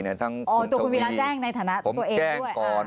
ตัวคุณวีระแจ้งในฐานะตัวเองด้วย